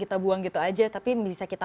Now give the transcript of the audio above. kita buang gitu aja tapi bisa kita